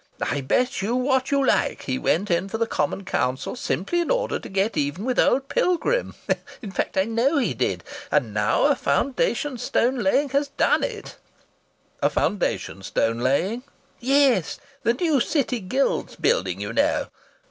I bet you what you laike he went in for the Common Council simply in order to get even with old Pilgrim. In fact I know he did. And now a foundation stone laying has dan it." "A foundation stone laying?" "Yes. The new City Guild's building, you knaow.